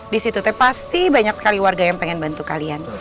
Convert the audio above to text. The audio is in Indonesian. di situ pasti banyak sekali warga yang pengen bantu kalian